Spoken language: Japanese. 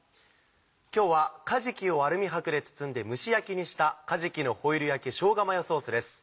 今日はかじきをアルミ箔で包んで蒸し焼きにした「かじきのホイル焼きしょうがマヨソース」です。